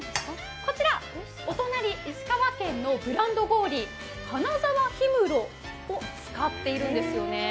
こちら、お隣、石川県のブランド氷、金沢氷室を使っているんですよね。